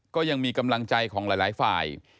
ก็ยังมีกำลังใจของหลายฝ่าย